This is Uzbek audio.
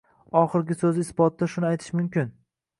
Oxirgi sõzi isbotida shuni aytish mumkin.